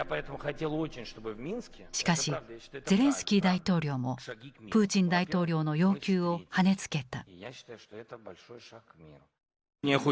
しかしゼレンスキー大統領もプーチン大統領の要求をはねつけた。